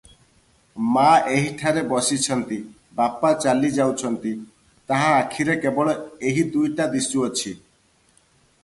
ମା’ ଏହିଠାରେ ବସିଛନ୍ତି, ବାପା ଚାଲି ଯାଉଛନ୍ତି, ତାହା ଆଖିରେ କେବଳ ଏହି ଦୁଇଟା ଦିଶୁଅଛି ।